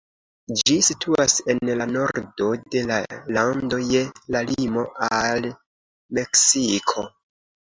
Ĝi situas en la nordo de la lando, je la limo al Meksiko.